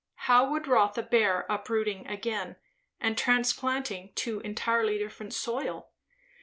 How would Rotha bear uprooting again, and transplanting to entirely different soil?